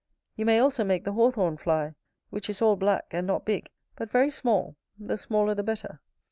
You may also make the Hawthorn fly: which is all black, and not big, but very small, the smaller the better.